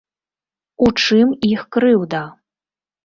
У чым іх крыўда?